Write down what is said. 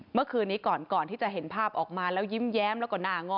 เมื่อคืนนี้ก่อนก่อนที่จะเห็นภาพออกมาแล้วยิ้มแย้มแล้วก็หน้างอ